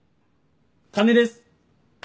金です。